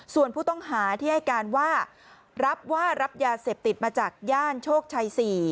ส่วนผู้ต้องหาที่ให้การว่ารับว่ารับยาเสพติดมาจากย่านโชคชัย๔